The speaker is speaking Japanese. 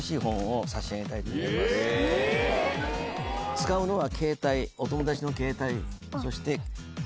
⁉使うのは。